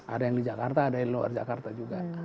ada yang di jakarta ada yang luar jakarta juga